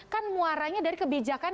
kan muaranya dari kebijakan